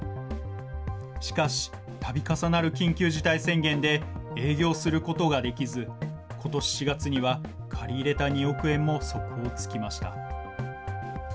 しかし、たび重なる緊急事態宣言で、営業することができず、ことし４月には借り入れた２億円も底をつきました。